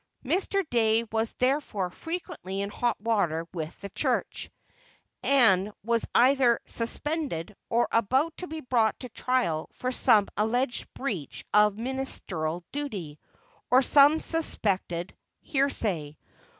Mr. Dey was therefore frequently in hot water with the church, and was either "suspended," or about to be brought to trial for some alleged breach of ministerial duty, or some suspected heresy.